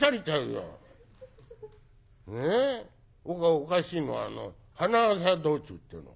おかしいのはあの『花笠道中』っていうの。